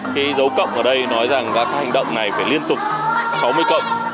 cái dấu cộng ở đây nói rằng các hành động này phải liên tục sáu mươi cộng